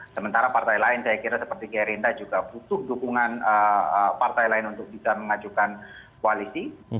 sementara partai lain saya kira seperti gerindra juga butuh dukungan partai lain untuk bisa mengajukan koalisi